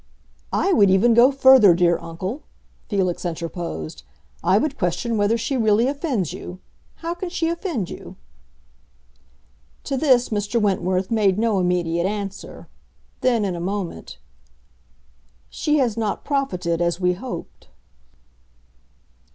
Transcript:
"I would even go further, dear uncle," Felix interposed. "I would question whether she really offends you. How can she offend you?" To this Mr. Wentworth made no immediate answer. Then, in a moment, "She has not profited as we hoped."